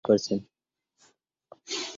It remains a fully accredited member to present.